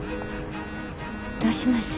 どうします？